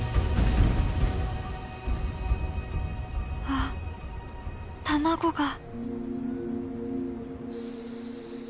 「あっ卵が」。